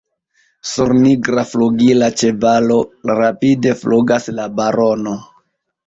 Sur nigra flugila ĉevalo rapide flugas la barono!